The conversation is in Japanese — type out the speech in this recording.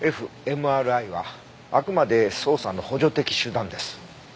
ｆＭＲＩはあくまで捜査の補助的手段です。